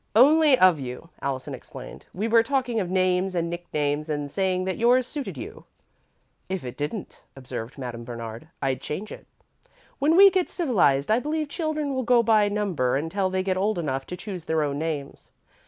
"Only of you," Allison explained. "We were talking of names and nicknames and saying that yours suited you." "If it didn't," observed Madame Bernard, "I'd change it. When we get civilised, I believe children will go by number until they get old enough to choose their own names.